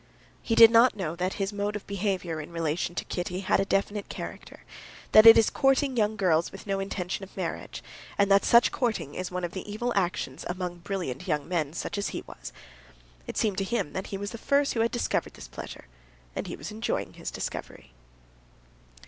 He did not know that his mode of behavior in relation to Kitty had a definite character, that it is courting young girls with no intention of marriage, and that such courting is one of the evil actions common among brilliant young men such as he was. It seemed to him that he was the first who had discovered this pleasure, and he was enjoying his discovery.